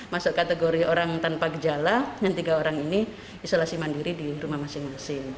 masuk kategori orang tanpa gejala dan tiga orang ini isolasi mandiri di rumah masing masing